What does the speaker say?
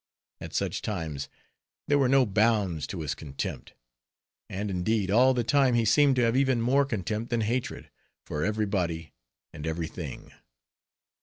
At such times, there were no bounds to his contempt; and indeed, all the time he seemed to have even more contempt than hatred, for every body and every thing.